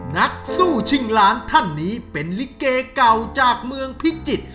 นักสู้ชิงล้านท่านนี้เป็นลิเกเก่าจากเมืองพิจิตร